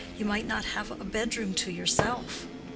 You might not have a bedroom to yourself."